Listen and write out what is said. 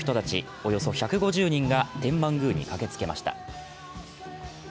およそ１５０人が天満宮に駆けつけました。